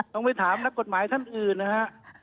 ต้องไปถามนักกฎหมายท่านอื่นนะฮะ